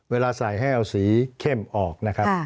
เวลาใส่ให้เอาสีเข้มออกนะครับ